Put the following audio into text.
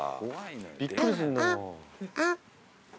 びっくりするのよ。